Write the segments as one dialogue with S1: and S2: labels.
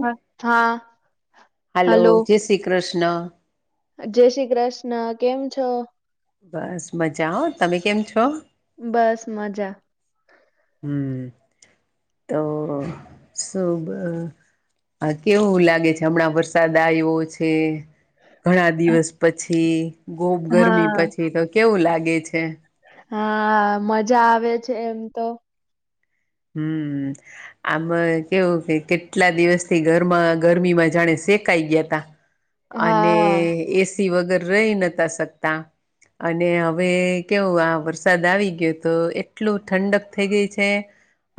S1: હ, હા.
S2: Hello,
S1: hello
S2: જય શ્રી કૃષ્ણ.
S1: જય શ્રી કૃષ્ણ કેમ છો.
S2: બસ મજા તમે કેમ છો.
S1: બસ મજા.
S2: હું તો શુભ. હા કેવું લાગે છે, હમણાં વરસાદ આવ્યો છે. ઘણા દિવસ પછી ગોબ ગરમી
S1: હા
S2: પછી તો કેવું લાગે છે
S1: હા મજા આવે છે એમ તો
S2: હમ આમ કેવું કે કેટલા દિવસ થી ગરમા ગરમી માં જાણે શેકાઈ ગયા ત અને
S1: હા
S2: એસી વગર રહી નતા શકતા અને હવે કેવું આ વરસાદ આવી ગયો તો એટલું ઠંડક થઈ ગઈ છે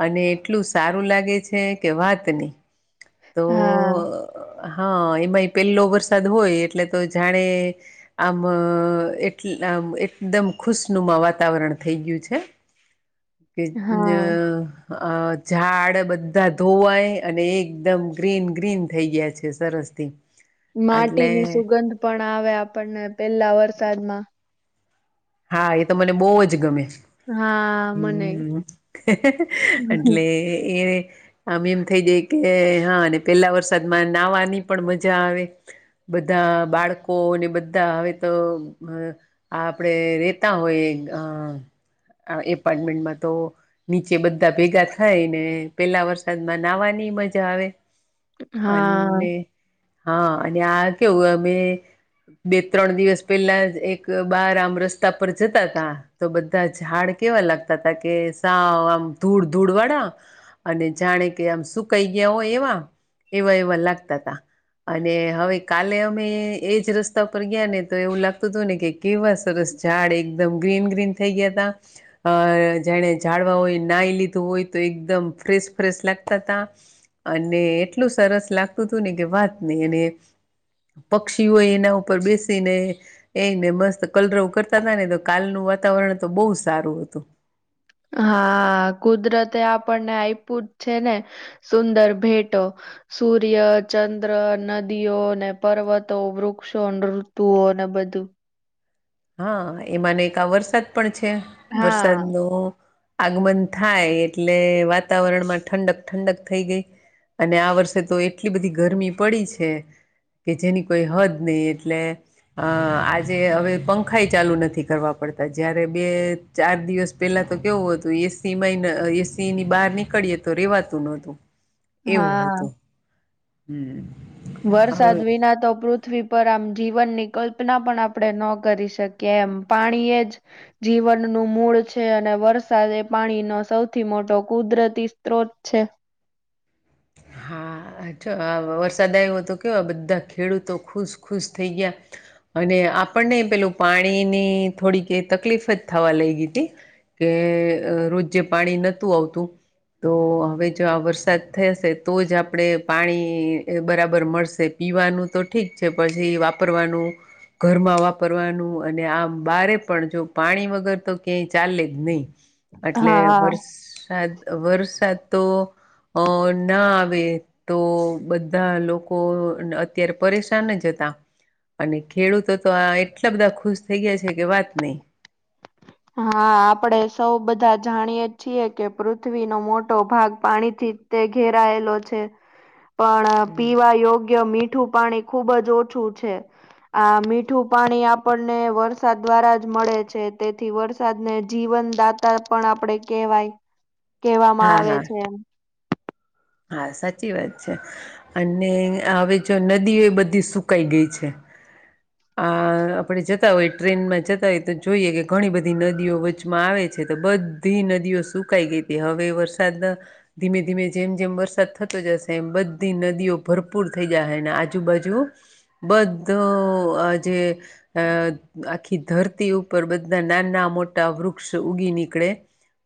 S2: અને એટલું સારું લાગે છે કે વાત નહી તો
S1: હા
S2: હા એમાંય પેલો વરસાદ હોય એટલે તો જાણે આમ એટ આ એકદમ ખુશનુંનુ વાતાવરણ થઈ ગયું છે કે અ
S1: હા
S2: અ ઝાડ બધા ધોવાય અને એકદમ ગ્રીન ગ્રીન થઈ ગયા છે સરસથી એટલે
S1: માટીની સુગંધ પણ આવે આપણને પેલા વરસાદમાં
S2: હા એ તો મને બહુ જ ગમે
S1: હા મને
S2: છે હ એટલે એ આમ એમ થઈ જાય કે હા અને પેલા વરસાદમાં નાહવાની પણ મજા આવે બધા બાળકોને બધા હવે તો આ આપડણે રેતા હોય આ એપાર્ટમેન્ટમાં તો નીચે બધા ભેગા થાય ને પેલા વરસાદમાં નાહવાની એ મજા આવે
S1: હા
S2: અને હા અને આ કેવું અમે બે ત્રણ દિવસ પેલા એક બાર આમ રસ્તા પર જતા તા તો બધા ઝાડ કેવા લાગતા હતાા કે સા આમ ધૂળ ધૂળ વળ અને જાણે કે આમ સુું કઈ ગયા હોય એવા એવા એવા લાગતા હતાા અને હવે કાલે અમે એજ રસ્તા પર ગયા ને તો એવું લાગતું હતું ને કે કેવા સરસ્તા ઝાડ એકદમ ગ્રીન ગ્રીન થઈ ગયા ત અ જેને ઝાડવા હોય નાઈ લીધું હોય તો એકદમ ફ્રેશ ફ્રેશ લાગતા ત અને એટલું સરસ લાગતું હતું ને કે વાત નહી અને પક્ષીઓ એના ઉપર બેસીને એને મસ્ત કલરો કરતા નને તો કાલનું વાતાવરણ તો બહુ સારું હતું
S1: હા કુદરતે આપણને આપ્યું જ છે ને સુંદર ભેટો સૂર્ય ચંદ્ર નદીઓ ને પર્વતો વૃક્ષો ઋતુઓ ન બધું
S2: હા એમાંને એક આ વરસાદ પણ છે
S1: હા
S2: વરસાદ ન આગમન થાય એટલે વાતાવરણમાં ઠંડક ઠંડક થઈ ગઈ અને આ વર્ષે તો એટલી બધી ગરમી પડી છે કે જેની કોઈ હદ નહી એટલે અ આજે હવે પં ખાઈ ચાલુ નથી કરવા પડતા જયારે બે ચાર દિવસ પહેલા તો કેવું હતું એ સિમાંય એસીિ ની બહાર નીકળીએ તો રેવાતું નોતું એવું
S1: હા,
S2: હતું હમ
S1: વરસાદ વિના તો પૃથ્ પૃથ્વી પર આમ જીવનની કલ્પના પણ આપણે ન કરી શકીએ એમ પાણીએ જ જીવન વનનું મૂળ છે અને વરસાદ એ પાણીનો સૌથી મોટો કુદરતી સ્ત્રોત છે
S2: હા છો વરસાદ આવ્યો તો કેયો બધા ખેડૂતો ખુશ ખુશ થઈ ગયા અને આપણને પેલું પાણી ની થોડીક તકલીફ જ થવા લઈ ગી હતી કે રોજે પાણી નતું આવતું તો હવે જો આ વરસાદ થઈ હશે તો જ આપણે પાણી બરાબર મળશે પીવાનું તો ઠીક છે પછી વાપરવાનું ઘરમાં વાપરવાનું અને આ બારે પણ જો પાણી વગર તો ક્યાંય ચાલે જ નહીિ એટલે
S1: હા,
S2: વરસાદ વરસાદ તો અ ના આવે તો બધા લોકો અત્યારે પરેશાન જતા અને ખેડૂતો તો આ એટલા બધા ખુશ થઈ ગયા છે કે વાત નહી
S1: હા આપડે સૌ બધા જાણીય છીએ કે પૃથ્વીનો મોટો ભાગ પાણીથી તે તે ઘેરાયેલો છે. પણ પીવા યોગ્ય મીઠું પાણી ખુબ જ ઓછું છે, આ મીઠું પાણી આપણને વરસાદ દ્વારા જ મળે છે, તે થી વરસાદને જીવનદાતા પણ આપડે કેહેવાય કહેવામાં
S2: હા
S1: આવે
S2: હા
S1: છે.
S2: હા સાચી વાત છે, અને હવે જો નદીઓ બધી સુકાઈ ગઈ છે. આ આપણેે જતા હોય ટ્રેનમાં જતા હોય તો જોઈએ કે ઘણી બધી નદીઓ વચમાં આવે છે, ત બધી નદીઓ સુકાઈ ગઈ હતી હવે વરસાદ ધીમે ધીમે જેમ જેમ વરસાદ થતો જશે એમ બધી નદીઓ ભરપૂર થઈ જાહે અને આજુબાજુ બધું અ જે અ આખી ધરતી ઉપર બધા નાના મોટા વૃક્ષ ઉગી નીકળે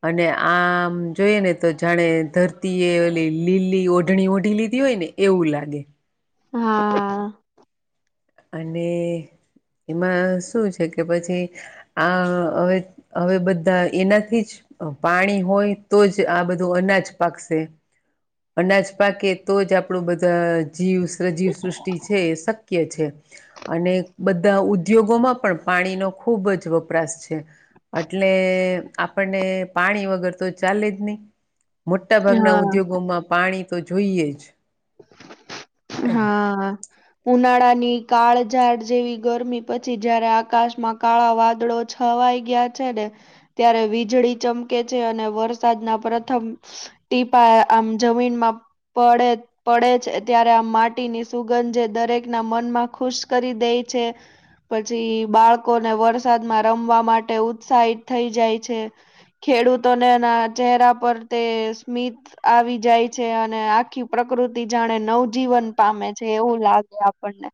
S2: અને આમ જોઈએ ને તો જાણે ધરતીએ લીલી ઓઢણી ઓઢી લીધી હોય ને એવું લાગે.
S1: હા હા
S2: અને એમાં શું છે કે પછી આ હવે હવે બધા એનાથી જ પાણી હોય તો જ આ બધું અનાજ પાકશે. અનાજ પાકે તો જ આપણું બધા જીવ સજીવ સૃષ્ટિ છે, એ શક્ય છે. અને બધા ઉદ્યોગોમાં પણ પાણીનો ખુબ જ વપરાશ છે, અટલે એ આપણને પાણી વગર તો ચાલે જ નય મોટા ભાગના
S1: હા.
S2: ઉદ્યોગોમાં પાણી તો જોઈએ જ
S1: હા. ઉનાળાની કાળઝાડ જેવી ગરમી પછી જયારે આકાશમાં કાળા વાદળો છવાઈ ગયા છે, ને ત્યારે વીજળી ચમકે છે, અને વરસાદના પ્રથમ ટીપા આમ જમીનમાં પડે પડે છે, ત્યારે આ માટીની સુગંધ જે દરેક ના મનમાં ખુશ કરી દેય છે. પછી બાળકોને વરસાદમાં રમવા માટે ઉત્સાહિત થઈ જાય છે. ખેડૂતોને એના ચહેરા પર તે સ્મિત આવી જાય છે, અને આખી પ્ર પ્કૃતિ જાણે નવજીવન પામે છે, એવું લાગે આપણને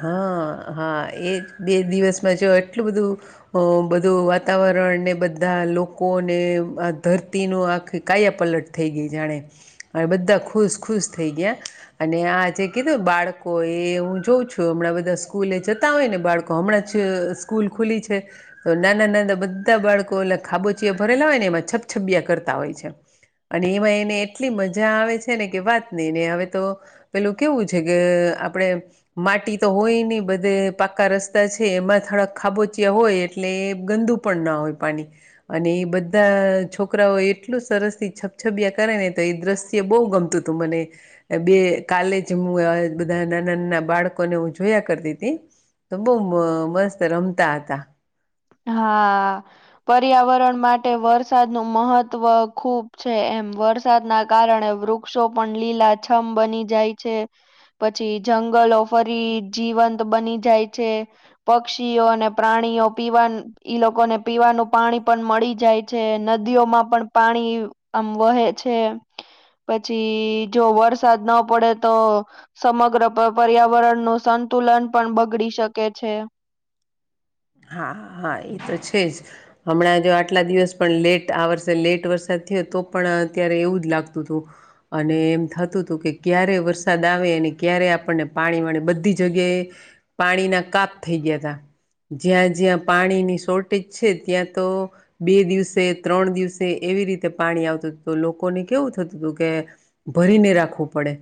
S2: હા હા એ બે દિવસમાં જો આટલું બધું અ બધું વાતાવરણ ઉપરણ ને બધા લોકોને આ ધરતીનું આખી કાયા પલટ થઈ ગઈ જાણે અને બધા ખુશ ખુશ થઈ ગયા અને આ જે કીધું બાળકો એ હું જોઉ છું જો હમણાં બધા સ્કૂલે જતા હોય ને બાળકો હમણાં જ સ્કૂલ ખુલી છે તો નાના નાના બ બધા બાળકો ઓલા ખાબોચીયા ભરેલા હોય ને એમાં છબછબિયા કરતા હોય છે. અને એમાં એને એટલી મજા આવે છે ને કે વાત નહીને હવે તો પેલું કેવું છે કે આપણેે માટી તો હોય નહી બધે પાકા રસ્તા છે એમાં થોડાક ખાબોચિયા હોય એટલે એ ગંદુ પણ ના હોય પાણી અને એ બધા છોકરાઓ એટલું સરસ થી છપછબિયા કરે ને તો એ દ્રશ્ય બહુ ગમતું હતું મને બે કાલે જ હ બધા નાના નાના બાળક ને હું જોયા કરતી હતી તો બહુ મસ્ત રમતા હતા.
S1: હા પર્યાવરણ માટે વરસાદ નું મહત્વ ખુબ છે એ વરસાદના કારણે વૃક્ષો પણ લીલાછમ બની જાય છે. પછી જંગલો ફરી જીવંત બની જાય છે પક્ષીઓ અને પ્રાણીઓ પીવાનું ઈ લોકોને પીવાનું પાણી પણ મળી જાય છે નદીઓમાં પણ પાણી આમ વહે છે. પછી જો વરસાદ ન પડે તો સમગ્ર પર્યાવરણ નું સંત સંતુલન પણ બગડી શકે છે.
S2: [inaudible] હા હા એ તો છે જ હમણાં જો આટલા દિવસ પણ લેટ આ વર્ષે લેટ વરસાદ તો પણ અત્યારે એવું જ લાગતું હતું અને એમ થતું હતું કે ક્યારે વરસાદ આવે અને ક્યારે આપણને પાણી વાણી બધી જગ્યાએ પાણીના કાપ થઈ ગયા હતા જ્યાં જ્યાં પાણીની શોર્ટેજ છે ત્યાં તો બે દિવસે ત્રણ દિવસે એવી રીતે પાણી આવતું હતું તો લોકોને કેવું થતું હતું કે ભરીને રાખવું પડે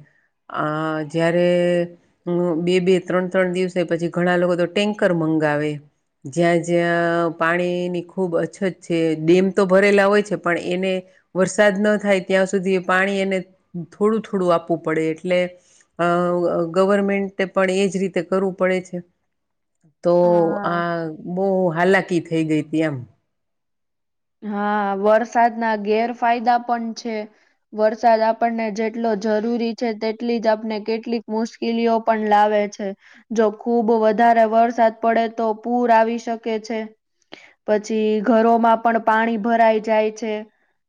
S2: અહહ જયારે હ બે બે ત્રણ ત્રણ દિવસ હો પછી ઘણા લોકો તો ટેન્કર મંગ મંગ આવેે જ્યાં જ્યાં પાણીની ખુબ અછત છે ડેમ તો ભરેલા હોય છે પણ એને વરસાદ ન થાય ત્યાં સુધી પાણી એને થોડું થોડું આપવું પડે એટલે અ અહહ ગવર્મેન્ટ પણ એજ રીતે કરવું પડે છે તો
S1: હા
S2: આ બહ હાલાકી થઈ ગઈ હતી એમ
S1: હા વરસાદના ગેરફાયદા પણ છે વરસાદ આપણને જેટલો જરૂરી છે તેટલી જ આપને કેટલીક મુશ્કેલીઓ પણ લાવે છે જો ખુબ વ વધારે વરસાદ પડે તો પૂર આવી શકે છે પછી ઘરોમાં પણ પાણી ભરાઈ જાય છે.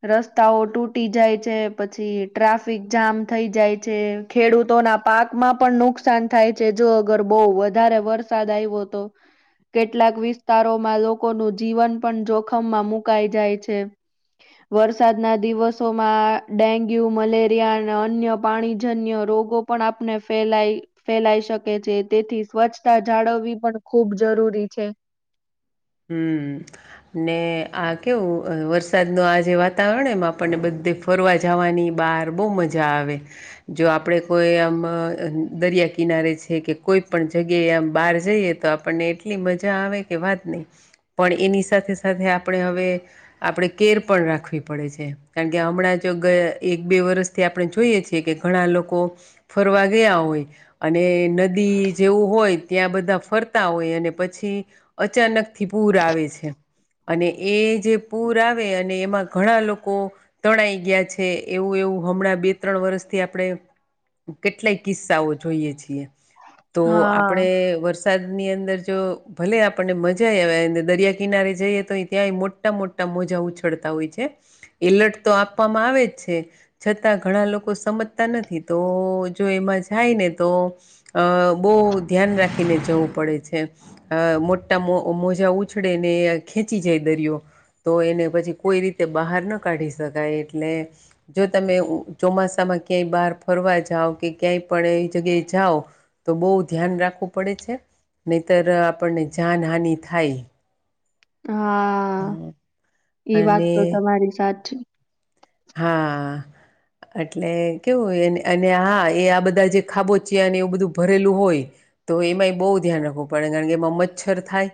S1: રસ્તાઓ તૂટી જાય છે પછી ટ્રાફિક જામ થઈ જાય છે ખેડૂતોને ના પાક માં પણ નુકસાન થાય છે જો અગર બહુ વધારે વરસાદ આવ્યો તો કેટલાક વિસ્તારોમાં લોકોનું જીવન પણ જોખમમાં મુકાઈ જાય છે. વરસાદના દિવસોમાં ડેન્ગ્યુ મલેરિયા અને અન્ય પાણીજન્ય રોગ રગો પણ આપને ફે ફેલાઈ શકે છે તેથી સ્વચ્છતા જાળવવી પણ ખૂબ જરૂ જરૂરી છે.
S2: [inaudible] હમ ને આ કેવું વરસાદ ન આ જે વાતાવરણ એમ આપણને બધું ફરવા જવાની બહાર બહુ મજા આવે જો આપણે કોઈ આમ અહહ દરિયા કિનારે છે કે કોઈ પણણ જગ્યાએ આમ બહાર જઈએ તો આપણને એટલી મજા આવે કે વાત નહીં પણ એની સાથે સાથે આપણે હવે આપણે કેર પણ રાખવી પડે છે કારણ કે હમણાં જ એક બે વરષથી આપણે જોઈએ છીએ કે ઘણા લોકો ફરવા ગયા હોય અને નદી જેવું હોય ત્યાં બધા ફરતા હોય અને પછી અચાનક થી પૂર આવે છે. અને એ જે પૂર આવે અને એમાં ઘણા લોકો તણાઈ ગયા છે એવું એ હમણાં બે ત્રણ વર્ષથી આપણે કેટલાય કિસ્સાઓ જોઈએ છીએ તો
S1: હા.
S2: આપણે વરસાદની અંદર જો ભલે આપણને મજા [unintelligible] દરિયા કિનારે જઈએ તો ત્યાં મોટા મોટા મોજા ઉછળતા હોય છે એલર્ટ તો આપવામાં આવે જ છે છતાં ઘણા લોકો સમજતા નથી તો જો એમાં જાયને ને તો અ બહુ ધ્યાન રાખીને જવું પડે છે મોટા મો મોજા ઉછળે ને ખેંચી જાય દરિયો તો એને પછી કોઈ રીતે બહાર ના કાઢી શકાય એટલે જો તમે ચોમાસામાં ક્યાંય બહાર ફરવા જાાવ કે ક્યાંય પણ એવી જગ્યાએ જાાવ તો બહુ ધ્યાન રાખવું પડે છે. નહીતર આપણને જાનહાનિ થાય
S1: હા
S2: [inaudible]
S1: એઈ વાત
S2: અને
S1: તો તમારી સાચી
S2: હા એટલે કેવુંય અને હા એ આ બધા જે ખાબોચી અને એવું બધું ભરેલું હોય તો એમાં એ બહુ ધ્યાન રાખવું પડે કારણ કે એમાં મચ્છર થાય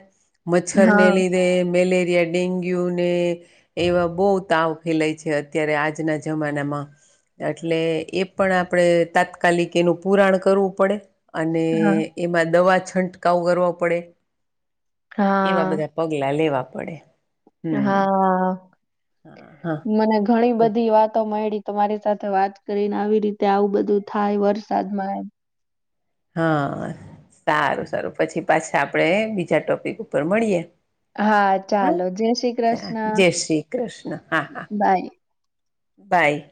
S2: મચ્છર ને
S1: હા
S2: લીધે મેલેરિયા એ ડેન્ગ્યુ ને એવા બહુ તાવ ફેલાય છે અત્ અત્યારે આજના જમાનામાં એટલે એ પણ આપણે તાત્કાલિક એનું પુરાણ કરવું પડે અને
S1: હા
S2: એમાં દવા છંટકાવ કરવાો પડે એવા બધા
S1: હા
S2: પગલા લેવા પડે હમ
S1: હા
S2: હા હા
S1: મને ઘણી
S2: તો
S1: બધી વાતો મળ તમારી સાથે વાત કરીને આવી રીતે આવું બધું થાય વરસાદમાં એમ
S2: હા સારું સારું પછી પાછા આપડે બીજા ટોપિક ઉપર મળીએ હા
S1: ચાલો જય શ્રી
S2: ચા
S1: કૃષ્ણ
S2: જય શ્રી કૃષ્ણ હા હા
S1: બાય.
S2: બાય